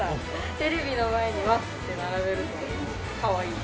テレビの前に並べると、かわいい。